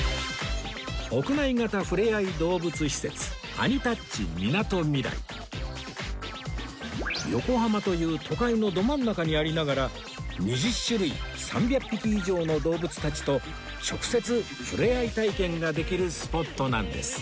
屋内型触れ合い動物施設横浜という都会のど真ん中にありながら２０種類３００匹以上の動物たちと直接触れ合い体験ができるスポットなんです